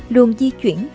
luôn di chuyển